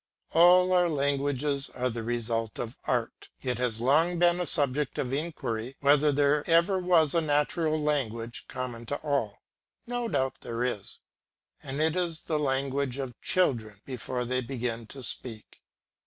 All our languages are the result of art. It has long been a subject of inquiry whether there ever was a natural language common to all; no doubt there is, and it is the language of children before they begin to speak.